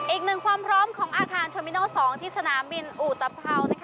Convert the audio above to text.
อีกหนึ่งความพร้อมของอาคารชมินโอ๒ที่สนามบินอุตภาว